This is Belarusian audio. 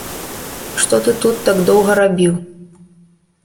Што ты тут так доўга рабіў?